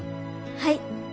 はい。